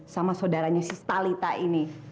sama sodaranya si stalita ini